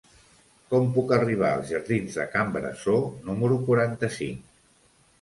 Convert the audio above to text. Com puc arribar als jardins de Can Brasó número quaranta-cinc?